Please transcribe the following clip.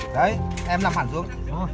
đấy em làm hẳn xuống